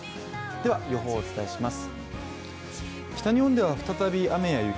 では予報をお伝えします。